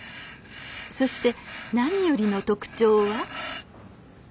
そして何よりの特徴は。